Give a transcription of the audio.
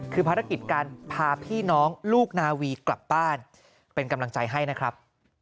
คือภารกิจการพาพี่น้องลูกนาวีกลับบ้านเป็นกำลังใจให้นะครับ